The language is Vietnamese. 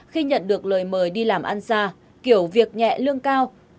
khi nhận được lời mời đi làm ăn xa kiểu việc nhẹ lương cao